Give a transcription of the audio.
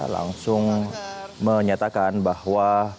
langsung menyatakan bahwa